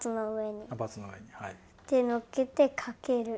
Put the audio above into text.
手のっけてかける。